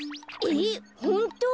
えっほんと？